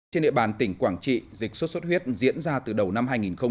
trên địa bàn tỉnh quảng trị dịch xuất xuất huyết diễn ra từ đầu năm hai nghìn một mươi chín